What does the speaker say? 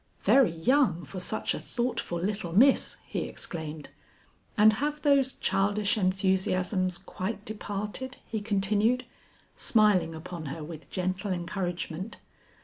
"Very young for such a thoughtful little miss," he exclaimed. "And have those childish enthusiasms quite departed?" he continued, smiling upon her with gentle encouragement.